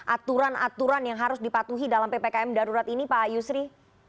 aturan aturan yang harus dipatuhi dalam ppkm darurat ini pak yusri